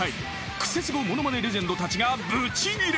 ［クセスゴものまねレジェンドたちがぶちギレ］